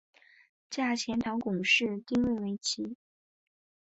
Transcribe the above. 嫁钱塘贡士丁睿为妻。